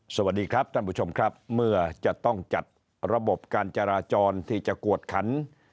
สวัสดีครับท่านผู้ชมครับเมื่อจะต้องจัดระบบการจราจรที่จะกวดขัน